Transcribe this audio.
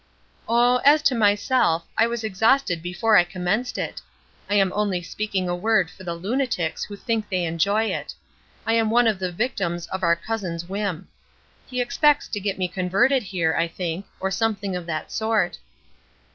"Oh, as to myself, I was exhausted before I commenced it. I am only speaking a word for the lunatics who think they enjoy it. I am one of the victims to our cousin's whim. He expects to get me converted here, I think, or something of that sort."